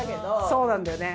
そうなんだよね。